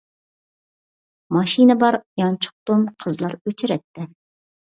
ماشىنا بار، يانچۇق توم، قىزلار ئۆچرەتتە.